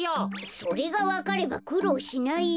それがわかればくろうしないよ。